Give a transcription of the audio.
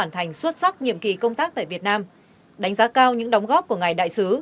thành xuất sắc nhiệm kỳ công tác tại việt nam đánh giá cao những đóng góp của ngài đại sứ